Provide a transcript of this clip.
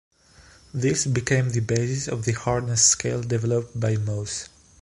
This became the basis of the hardness scale developed by Mohs.